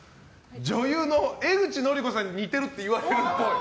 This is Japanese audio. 女優の江口のりこさんに似てるって言われるっぽい。